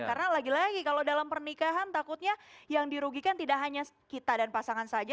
karena lagi lagi kalau dalam pernikahan takutnya yang dirugikan tidak hanya kita dan pasangan saja